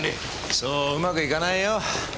そううまくいかないよ。